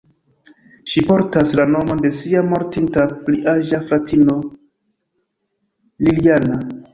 Ŝi portas la nomon de sia mortinta pli aĝa fratino Liljana.